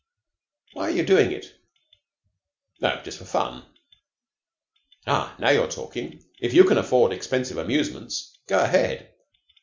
Why are you doing it?" "Oh, just for fun." "Ah, now you're talking. If you can afford expensive amusements, go ahead."